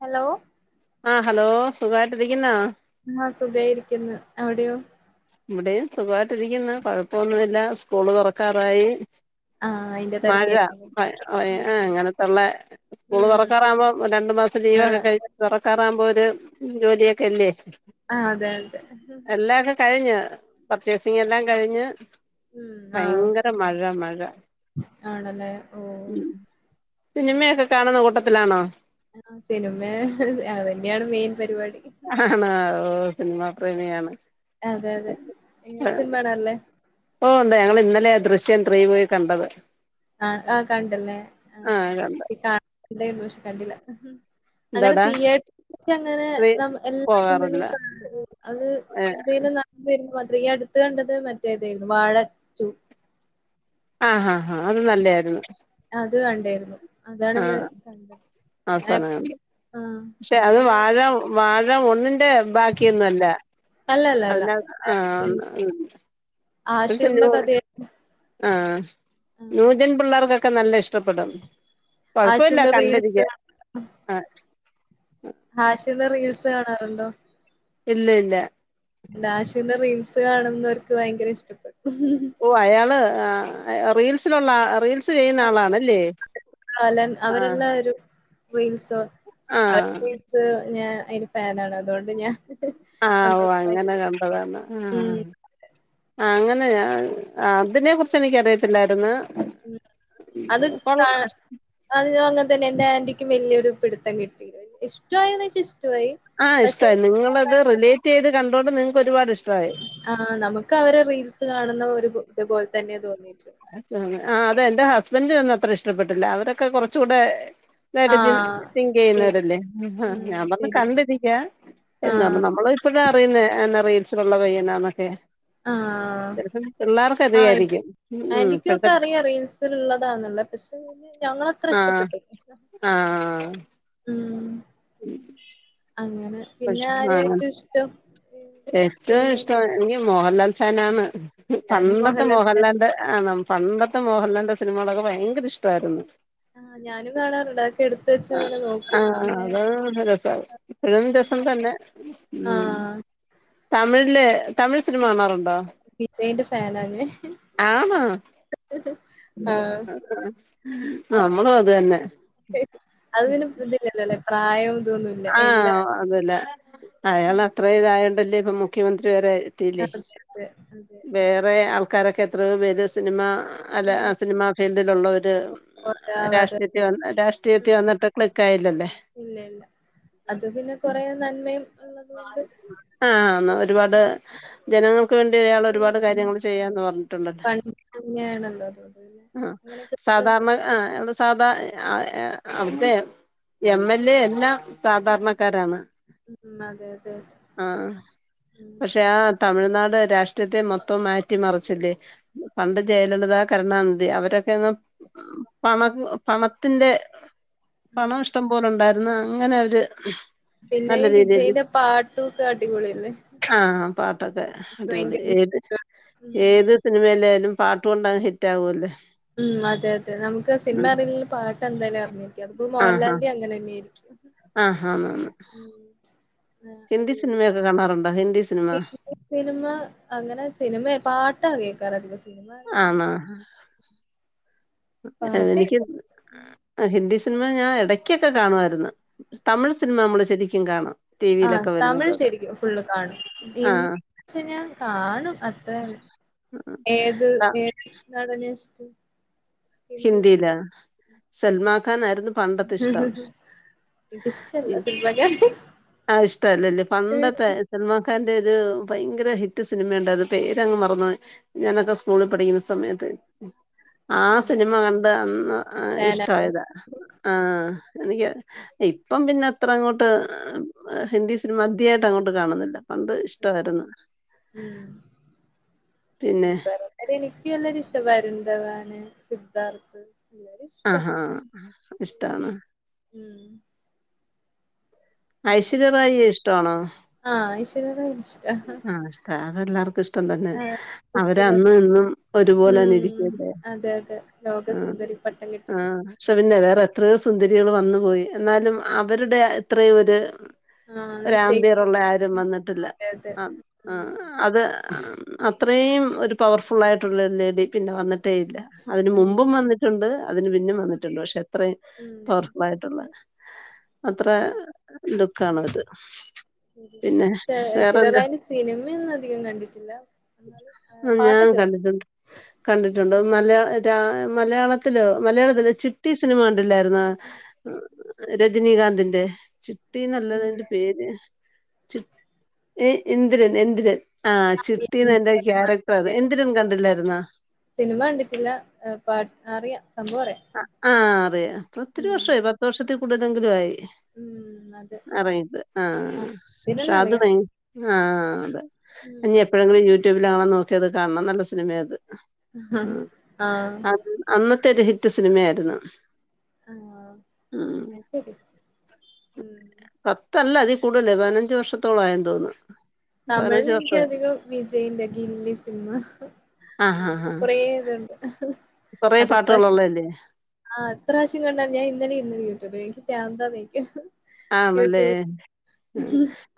Hello ആഹ് hello സുഖായിട്ടിരിക്കുന്നോ? ആഹ് സുഖായിരിക്ക്ന്ന്. അവിടെയോ? ഇവിടെയും സുഖവായിട്ടിരിക്കുന്നു. കുഴപ്പൊന്നുമില്ല. സ്കൂള് തുറക്കാറായി. ആഹ് അയിന്റെ മഴ തെരക്കായിരിക്കുംല്ലേ അ അ ഉം ഇങ്ങനത്തുള്ള സ്കൂള് ഉം തുറക്കാറാവുമ്പോ രണ്ടു മാസത്തെ മഴ ലീവൊക്കെ കഴിഞ്ഞ് തുറ കാറാവുമ്പൊ ഒര ജോലിയൊക്കെ അല്ലെ. ആഹ് അതെ അതെ കഴിഞ്ഞ് പർച്ചേസിങ് എല്ലാം കഴിഞ്ഞ് ഉം ആഹ് ഭയങ്കര മഴ മഴ ആണല്ലെ ഓഹ് ഉം സിനിമയൊക്കെ കാണുന്ന കൂട്ടത്തിലാണോ ആഹ് സിനിമ അതന്നെയാണ് മെയിൻ പരിപാടി. ആണ് ഒ സിനിമാ പ്രേമിയാണ് അതെ അതെ ഇങ്ങള് സിനിമാ കാണറില്ലേ ഓ ഒണ്ട് ഞങ്ങൾ ഇന്നലാ ദൃശ്യംത്രീ പോയി കണ്ടത് ആ ആ കണ്ടല്ലേ ആ ആഹ് കണ്ട് ണ്ടാരുന്നു ഷേ കണ്ടില്ല അങ്ങനെ എന്തോടാ തിയേറ്ററിലങ്ങക്കെ ത്രീ നമ്മ എല്ലാ സിനിമും പോകാറില്ല അത് ഏ എന്തേലും നല്ല വരുമ്പ ഇയടുത്ത് കണ്ടത് മറ്റേ തായിരുന്നു വാഴ ടു ആഹഹ ആഹ് അത് നല്ലായിരുന്നു ഇത് കണ്ടാരുന്നു ആഹ് ആ എപ് പടംകണ്ട് ആഹ്. പക്ഷെ അത് അങ്ങനെ വാഴ വാഴ ഒന്നും [unintelligible] ബാക്കിയൊന്നുല്ല അല്ലല്ലല്ല. അതിനാത്ത് അ വേറൊരു അ ഒരുത്തൻ ആഷിറിന്റെ ജോ കഥയായിരുന്നു. ആഹ ആഹ്. നൂജൻ പിള്ളേർക്കൊക്കെ നല്ല ഇഷ്ടപ്പെടും കൊഴപ്പവില്ല ആഷിറിന്റെ റീൽസ് കണ്ടിരിക്ക ആഹ് ഹാഷ്റിന്റെ റീൽസ് കാണാറുണ്ടോ ഇല്ല ഇല്ല ആഷ്റിന്റെ റീൽസ് കാണന്നോർക്ക് ഭയങ്കര ഇഷ്ടപ്പെടും ഓ അയാള് ആ റീൽസിലുള്ള അ റീൽസ് സ് ചെയ്യുന്ന ആഹ്. ആളാണല്ലേ ആഹ റീൽസോ അവർക്ക് [unintelligible] ഞ അയിന് ഫാനാണ് അതുകൊണ്ട് ഞാൻ ആ ഓ നമ്മൾക്ക് അങ്ങനെ ഭയങ്കര. കണ്ടതാണ് ആ മ്മ്. ആ അങ്ങനെയാ അതിനെ കുറിച്ച് എനിക്കറിയത്തില്ലായിരുന്നു ഉ അത് കൊള്ള കാ അത് അങ്ങനെ തന്നെ എന്റെ ആന്റി ക് വലിയൊരു പിടിത്തം കിട്ടില ഇഷ്ടയോ എന്ന് ചോദിച്ചാ ഇഷ് ആഹ് ഇഷ്ടമായി നിങ്ങളത് റിലേറ്റ് ചെയ്ത് കണ്ടോണ്ട് നി ഒരുപാട് ഇഷ് ആ നമുക്ക് അവരെ റീൽസ് കാണുന്ന ഒരു ഇത് ഇതപോലെ തന്നെ തോന്നി ആത് ആ അതെന്റെ ഹസ് ന്റെഒന്ന് അത്ര ഇഷ്ടപ്പെട്ടില്ല അവരൊക്കെ കുറച്ചൂടെ ആഹ് [unintelligible] തിങ്ക് ശരി ചെയ്യുന്നവരല്ലേ ഉം ഞാൻ പറന്ന് ശരി കണ്ടിരിക്ക എന്നുപറഞ്ഞു നമ്മൾ ഇപ്പഴാ അറിയുനേ റീൽ സ് ള്ള പയ്യനാക്കെ ആഹ് ചെലപ്പം പിള്ളേർക്ക് ആഹ് അറിയയിരിക്കും ആന്റിക്കും ഒക്കെ അറിയാം റിയൽസിലുള്ളതാണെന്ന് പക്ഷെ ഞ ആഹ് ആ ഉം ഉം അങ്ങനെ പിന്നെ ആരെയാ ഏറ്റവും ഇഷ്ടം ഏറ്റവും സിനിമയില് ഇഷ്ടം [unintelligible] മോഹലാൽ ഫേനാണ് ഞാനും പണ്ടത്തെ മോഹൻലാലിനെ മോഹൻലാലിന്റെ ആ ന പണ്ടത്തെ മോഹൻലാലിന്റെ സിനിമകളൊക്കെ ഭയങ്കര ഇഷ്ടവായിരുന്നു ആഹ് ഞാനും കാണാറുണ്ടായി ആ ആ അതാ നല്ല രസം ഇപ്പഴും രസം തന്നെ ഉ ആഹ് തമിഴില് തമിഴ് സിനിമ കാണാറുണ്ടോ വിജയിന്റെ ഫാൻനാ ഞാൻ ആണോ ആ നമ്മളും അത് തന്നെ [inaudible] അതിന് ബുദ്ധില്ലല്ലോ അ പ്രായം ഇതൊന്നുല്ല. എല്ലാ ആഹ് അതല്ല അയാൾ അത്ര ഇതായ അല്ലേ ഇപ്പ മുഖ്യമന്ത്രി വരെ ത്തിയില്ലേ അതെ അതെ അതെ. വേറെ ആൾ കരക്ക എത്രയും പേര് സിനിമ അല്ലെ ആ ഉം സിനിമാ ഫീൽഡിലുള്ളവര് ഉം രാഷ്ട്രീയത്തി വന്ന് രാഷ്ട്രീയത്തി വന്നിട്ട് ക്ലിക്ക് ആയില്ലല്ലേ ഇല്ല ഇല്ല. അത് പിന്നെ കൊറേ നന്മയും ഉള്ളത് കൊണ്ട് ജനങ്ങ ക്ക് വേണ്ടി അയാൾ ഒരുപാട് കാര്യങ്ങൾ ചെയ്യാന്ന് പറഞ്ഞിട്ടുണ്ടല്ല പണ്ട് അങ്ങനെയാണല്ലോ അതുകൊണ്ട് പിന്നെ ആ അങ്ങനെയൊക്കെ സാധാരണ ആ എം സാധാ അവിടുത്തെ എം എൽ എ എല്ലാം സാധാരണക്കാരാണ് ഉം അതെ അതെ അതെ. ആഹ് ഉം പക്ഷെ ആ തമിഴ്നാട് രാഷ് ത്തെ മൊത്തം മാറ്റിമറിച്ചില്ലേ പണ്ട് ജയലളിത കരുണാനിധി അവരൊക്കെ പ പണത്തിൻ്റെ ആഹ് പണം ഇഷ്ടം പോലെ ഉണ്ടാ അന്ന അങ്ങനെ അവര് പിന്നെ നല്ല ഈ രീതിൽ വിജയിന്റെ പാട്ടുംക്കെ അടിപൊളിയല്ലേ ആഹ് പാട്ടൊക്കെ എനിക്ക് അടിപൊളി ഭയങ്കര ഏത് ഇഷ്ട ഉം ഏത് സിനിമയിലായാലും പാട്ട് കൊണ്ടങ്ങ് ഹിറ്റ് ആകുമല്ല ഉം അതെ അതെ നമുക്ക് സിനിമ അറില പാ എന്താല അറിഞ്ഞിരിക്കും അത് പ്പോ മോഹൻലാലിന്റെ അങ്ങന തന്നെയായിരിക്കും ആഹ ഉം [unintelligible] ആ ഹിന്ദി അടിപൊളി സിനിമയൊക്കെ കാണറുണ്ട ഹിന്ദി സിനിമ [unintelligible] സിനിമ അങ്ങനെ സിനിമയ പാട്ടാ കേക്കാർ അധികം സിനിമ അറി ആണോ [unintelligible] എനിക്ക് ഉം. ഹിന്ദി സി സിൻമ ഞാ എടയ്കെക്കെ കാണുആയിരുന്നു. ടി ആ വിയിലൊക്കെ തമിഴ് വരുന്നതൊക്കെ ശരിക്കും ഫുള്ള് കാണും ആഹ് [unintelligible] ഞാൻ കാണും അ തെ ഏത് ആഹ്. ഏത് നടനെഷ്ടൂ ഹിന്ദി ലേ സൽമാക്ക കാനായിരുന്നു പണ്ടത്തെ ഇഷ്ട്ടം ഇ എനിക്കിഷ്ടല്ല സിനിമക്കാരെ ആ ഇഷ്ടല്ലല്ലേ പണ്ടത്തെ സൽമക്ക കാന്റ ഒരു പയങ്കര ഹിറ്റ് സിനിമ ണ്ടാര് പേരങ്ങ് മറന്നോയ് ഞാനത് സ്കൂളിൽ പഠിക്കുന്ന സമയത്ത് സിനിമ കണ്ട് അന്ന് ഞാനവിടെ ഇഷ്ടായതാ ആ എനിക്ക് ഇപ്പം പിന്നെ അത്ര അങ്ങോട്ട് ഹിന്ദി സിനിമ അധിയായിട്ടങ്ങോട്ട് കാണുന്നില്ല പണ്ട് ഇഷ്ടവാര്ന്നു. മ് പിന്നെ ഇപ് [unintelligible] ത്ത വരുന്തവാന് സിദ്ധാർഥ് ആ ഹാ അപ്പഇഷ്ടാണ്. ഉം അങ്ങനെ ഐശ്വര്യറായിയെ ഇഷ്ടവാണോ? [unintelligible] ആ ഇഷ്ട അതെല്ലാർക്കുഷ്ടം തന്നെ ആഹ് അവര അന്നു ഇഷ്ടല്ലാത്ത ഇന്നും ഒരുപോലെന്നെ ഉം ഇരിക്കല്ലേ അതെ അതെ ആ ലോകസുന്ദരി പട്ടം കിട്ടി ആ ക്ഷെ ന്നെ വേറെ എത്ര സു ത്തുന്ദരികൾ വന്നു പോയി എന്നാലും അവരുടെ ത്രയും ഒര് ആഹ് ഷെയ്ഖ് ഒരാമ്പിയറുള്ള ആരും വന്ന്ട്ട്ല്ല അതെ അതെ ആ ആ ഉം അത് ആ മ് അത്രേയ് ഒരു പവർഫുൾ ആയിട്ട്ള്ള ര് ലേഡി പിന്നെ വന്നി ട്ടേയില്ല അതിന് ഉം മുമ്പും വന്നിട്ടുണ്ട് അതിന് പിന്നിം വന്നിട്ട്ണ്ട് ഷെ ത്രയ് ഉം പവർഫുൾ ആയിട്ടുള്ള അത്ര ആഹ് ന്തോ ക്കണത് [unintelligible] [unintelligible] സിനിമയൊന്നും അധികം കണ്ടിട്ടില്ല എന്നാലും ആഹ് ആ ഞാൻ പാട്ടൊക്കെ കേട്ടു കണ്ടിട്ടുണ്ട് കണ്ടിട്ടുണ്ട് [unintelligible] [unintelligible] ലോ മലയാളത്തില് [unintelligible] നിമ ണ്ടില്ലായിരുന്ന രജനീകാന്തിന്റെ ട്ടീ നല്ലത് ഇല്ല. ന്റെ പേര് ഏ ഇന്ദ്രൻ എന്തിരൻ ആ [unintelligible] അതിന്റെ ക്യാരക്ടർ അത് സിനിമ ണ്ടിട്ടില്ല പാ അറിയാം അറിയാം. ആ അറിയ പ്പോ ഒത്തിരി ഉം വർഷായി പത്ത് വർഷത്തി [unintelligible] ഉം അതെ. അറിയ [unintelligible] ആഹാ ആഹ് ഇതന്നെ ഷാത് അറിയാം. വയിൻ ആഹാ ആ അതെ ഉം [unintelligible] [unintelligible] നോക്കിയതാ കാൺമെന്നുള്ള സിനിമയാത്. ആ [inaudible] സിനിമയാരുന്നു. ആഹാ അയിശെരി മ് ത്തല്ല അതി കൂടുതലായി പതിനഞ്ച് വർഷത്തോളായെന്ന് തോന്നുന്നു. തമിഴിൽ പതിനഞ്ച് വർഷം ലെനിക്കധികം വിജയിന്റെ ഗില്ലി സിനിമ ആഹ് അങ്ങനെ ആഹ് ആഹ് കൊറേ ഇതുണ്ട്. കൊറേ അതെത്രാശ് പാട്ടുകളുള്ളതല്ലേ ആ ത്രാവശ്യം [unintelligible] ഞാൻ ഇന്നലെര്ന്ന് യൂട്യൂബ് [unintelligible] പ്രാന്താന്നോയിക്കും. ആണെല്ലേ മ്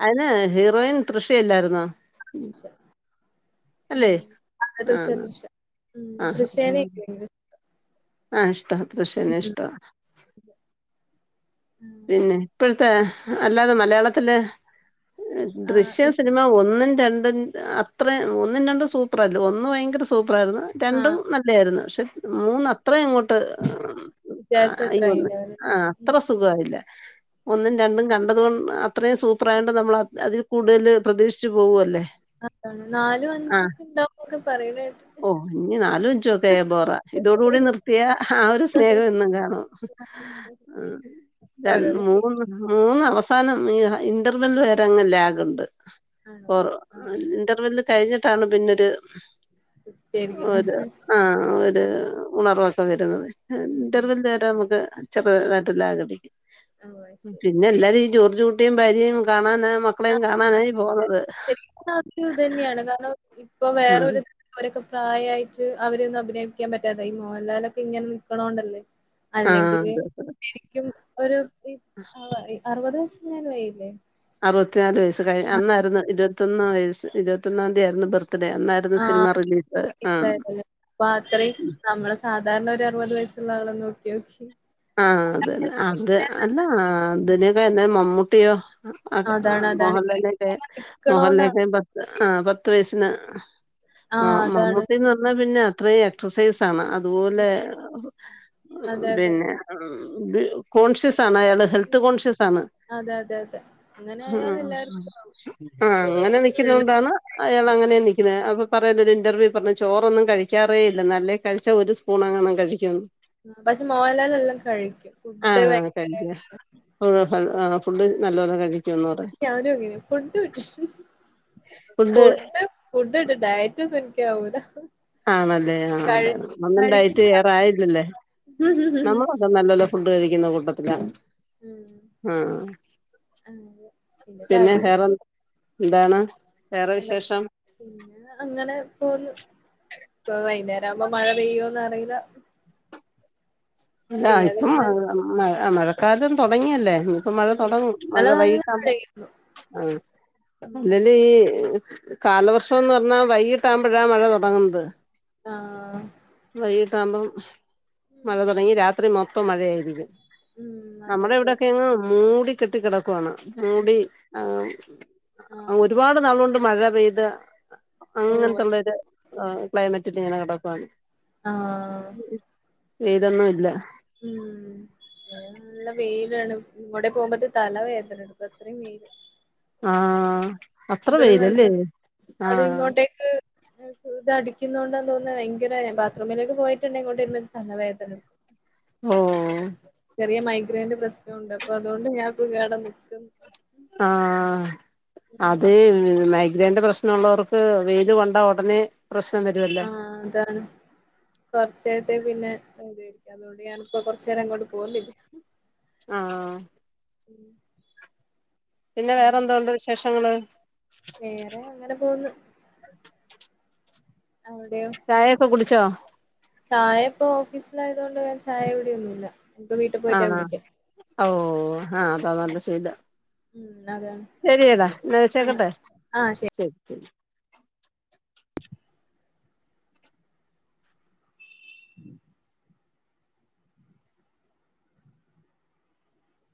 അയിന് ഹീറോയിൻ തൃഷെയല്ലാരുന്നോ? മ് തൃഷ തൃഷ. ആഹാ ആ ആഷ് ആ ഇഷ്ട തൃഷനെനിഷ്ടമാ. പിന്നെ ഇപ്പഴ്‌ത്തെ അല്ലാതെ മലയാളത്തില് ആഹ് ദൃശ്യം ഇപ് സിനിമ ഒന്നിൻ രണ്ടും അത്ര ഒന്നും രണ്ടും സൂപ്പർല്ലേ ഒന്ന് ഭയങ്കര സൂപ് പ്പറെയിരുന്നു രണ്ടും ആഹ് നല്ലെയ്രുന്നു പക്ഷേ മൂന്ന് അത്രേയങ്ങോട്ട് വിചാരിച്ച അത്രായി [unintelligible] ഉണ്ടാവുല ആ ഉം അത്ര ഉം സുഗായില്ല തെ ഒന്നും ഉം. രണ്ടും കണ്ടത് കൊൺ അത്രയും സൂപ്പറായൊണ്ട് നമ്മൾ അത് അതിൽ കൂടുതൽ പ്രതീക്ഷിച്ചു പോവുല്ലേ. അതാണ് നാലും ആ അഞ്ചൊക്കെ ഉണ്ടാവുന്നൊക്കെ പറയണ കേട്ട് ഓ ഇന്നി നാലുവഞ്ചുവൊക്കെ ആയ ബോറ, ഇതോടുകൂടി നിർത്തിയ ആ ഒരു സ്നേഹം എന്നും കാണും. രൺ ഓരോന്ന് ശരി മൂന്ന് [unintelligible] മൂന്ന് അവസാനം ഈ ഹ ഇന്റർവെൽ വരെ അങ്ങ് ലാഗൊണ്ട്. ആണോ [unintelligible] ആഹ് ഇന്റർവെല്ല് കഴിഞ്ഞിട്ടാണ് പിന്നൊരു ടിസ്റ്റായിരിക്കുല്ലേ ഒരു ആ ഒരു ഉം ഉണർവാ ഇപ്പം വരുന്നത് ഉം [unintelligible] [unintelligible] ഉം ഓഹ് അത് ശരി പിന്നെ എല്ലാരും ഈ ജോ ജോ കുട്ടിയും ഭാര്യയും കാണാന ആ, മക്കളെയും അത് കാണാനായി പോന്നത് ശരിക്കും അതൊരു ഇത് തന്നെയാണ് കാരണം ഇപ്പൊ ആഹ്. വേറൊരു [unintelligible] പ്രായായിട്ട് അവര് ഇതഭിനയിപ്പിക്കാൻ പറ്റാതായി മോഹൻലാലൊക്കെ ഇങ്ങനെ നിക്കണോണ്ടല്ലേ ആഹ്. അത്. അല്ലെങ്കില് ശെരിക്കും ഒരു അറുപത് ദിവസത്തിന പോയെ [unintelligible] അറുപത്തിയാറ് വയസ് ത്രേയി അന്നായിരുന്നു ഇരു ത്തൊന്ന് വയസ്സ് ഇരുപത്തിയൊന്നാന്തിയായിരുന്നു ബർ ത്ത്ഡേ അന്നായിരുന്നു ആഹ് സിനിമ റിലീസ് ആ വയസ്സായതല്ലേ ധാരണ ഒരു അറുപത് വയസ്സുള്ള ആളെ നോക്കി നോക്കി ആ അതെന്നെ അത് അതാ അതിനും ഭേദം മമ്മൂട്ട്യോ അതാണ് അതാണ് ഇവരൊക്കെ ഇങ്ങനെ നിക്കണോണ്ടാണ് [unintelligible] ആ പത്ത് വയസിന് മ ആഹ് അതാണ്. മമ്മൂട്ടീന്ന് പറഞ്ഞാ പിന്നെ അത്രയും എക്സസൈസ ആാണ് അതുപോലെ അതെ അതെ. പിന്നെ കോൺഷ്യസ് ആണ് അയാൾ ഹെൽത്ത് കോൺഷ്യസ് ആണ് അതെ അതെ അതെ. അങ്ങനെ ആയാൽ ഹും എല്ലാർക്കും ആവും. അ അങ്ങനെ നിക്കുന്നോണ്ടാണ് അയാളങ്ങനേ നിക്ക്ണെ [unintelligible] പറയാനൊരു ഇന്റർവ്യൂ പർഞ്ഞു ചോറൊന്നും കഴിക്കാറേ ഇല്ലന്ന് അല്ലേ കഴിച്ചാ ഒരു സ്പൂൺ എങ്ങാണം കഴിക്കുംന്ന് ആ [unintelligible] മോഹൻലാലെല്ലാം കഴിക്കും ഫുഡ് ആഹ് ഭയങ്കര കഴിക്കും ഫുഡ് ആഹ് നല്ലോ ലെ കഴിക്കും ഒന്നൂടെ ഞാനും അങ്ങനെയാ പറ്റില്ല. ഫുഡ് ഫുഡ് ഇട് ഡയറ്റൊന്നും ഇൻക് ശര്യാവൂല ആണല്ലേ ആണ്ട് ഒന്നുണ്ടായിട്ട് കഴിക്കുന്ന വേറെ ആളാ. ആയില്ലല്ലേ നമ്മളൂഅതേ നല്ലോ ലെ ഫുഡ് കഴിക്കുന്ന കൂട്ടത്തിലാണ് ഉം പിന്നെ തടി കു എന്താണ് വേറെ എന്താ വിശേഷം പിന്നെ അങ്ങനെ പോവ്ന്ന് ഇപ്പൊ വൈന്നേരാവുമ്പം മഴ പെയ്യോന്ന് അറീല്ല ഇല്ല ഇപ്പം മഴ ശരി. മഴ മഴ [unintelligible] തൊടങ്ങിയല്ലേ ഇനിപ്പോ മഴ ഉം തൊടങ്ങും മഴ ഇന്നലെ നല്ല വൈയിട്ടമ്പം മഴയായിരുന്നു ആ ഉം അല്ലേല് ഈ കാലവർഷംന്ന് പറഞ്ഞാ വൈകിട്ടാകുമ്പോഴാ മഴ തൊടങ്ങുന്നത് ആഹ് വൈയിട്ട് ട്ടമ്പം ഉം മഴ തോ രാത്രി മൊത്തം മഴയായിരിക്കും ഉം അതെ നമ്മുടെ അതെ ഇവിടെക്കെ അതെ അങ്ങ് മൂടി കെട്ടികെട പോണം ഉം മൂടി ആഹ് ആ ആഹ് ഒരുപാട് നാളോണ്ട് മഴ പെയ്ത ഓഹ് അങ്ങനത്തുള്ളോര് ആഹ്‌ ക്ലൈമറ്റ് ഇത് ഇങ്ങനെ കെടക്കുവാണ് ആ ഇതൊന്നും ഇല്ല ഉം നല്ല വെയിലാണ് ഇങ്ങോടെ പോകുമ്പോത്തെ തല വേദന എടുക്കും അത്രയും വെയില് ആ ഇവിട നല്ല അത് ഇങ്ങോട്ടേക്ക് സുത അടി കുന്നുണ്ടെന്ന് തോന്നുന്ന എങ്കില് ബാത്റൂമിലേക്ക് പോയിട്ടുണ്ട് എങ്ങോട്ട തലവേദന ഓ വിയ മൈഗ്രൈന്റെ പ്രശ്നൊണ്ട് അപ്പൊ അതുകൊണ്ട് ഞാൻ കേട നിക്ക്‌ ആ അതെ മ ഇതേന്റെ പ്രശ്നമ ഉള്ളവർക്ക് വെയിലു കൊണ്ട ഉടനെ പ്രശ്നം വരുവല്ലേ ആ അതാണ് കുറച്ച തെ പിന്നെ അതു അതുകൊണ്ട് ഞാനിപ്പോ കൊറച്ചു നേരം അങ്ങോട്ട് പോന്നില്ല ആ പിന്നെ ഉം. വേറെ എന്തോ ഒണ്ട് വിശേഷ് ങ്ങള് വേറെ അങ്ങനെ പോന്ന് അവിടെയോ ചായൊക്കെ കുടി ച്ചോ ചായ ഇപ്പൊ ഓഫീസിലായതുകൊണ്ട് ഞാൻ ചായ കുടിയൊന്നുമില്ല നിക്ക് വീട്ട പോയിട്ടാ ആണോ കുടിക ഓ ഹാ അതാ നല്ല ശീലം ഉം അതാണ് ശരിയെടാ എന്നാ ആഹ് വെച്ചേക്കട്ടെ ആഹ് ശരി ശരി